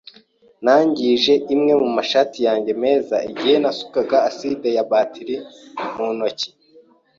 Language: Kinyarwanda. Nangije imwe mu mashati yanjye meza igihe nasukaga aside ya batiri ku ntoki.